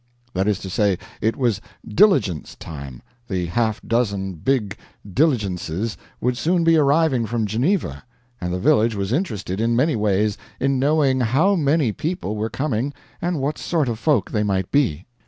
That is to say, it was diligence time the half dozen big diligences would soon be arriving from Geneva, and the village was interested, in many ways, in knowing how many people were coming and what sort of folk they might be.